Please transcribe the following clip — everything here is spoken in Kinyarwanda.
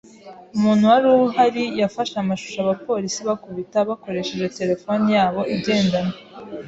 Umuntu wari uhari yafashe amashusho abapolisi bakubita bakoresheje terefone yabo igendanwa.